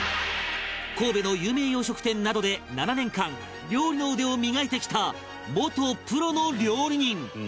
神戸の有名洋食店などで７年間料理の腕を磨いてきた元プロの料理人